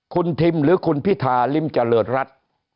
คุณทิมหรือคุณพิธาริมเจริญรัฐ